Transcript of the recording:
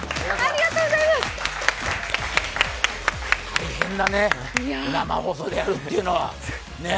大変だね、生放送でやるっていうのはね。